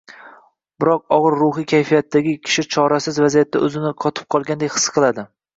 biroq og‘ir ruhiy kayfiyatdagi kishi chorasiz vaziyatda o‘zini qotib qolgandek his qiladi.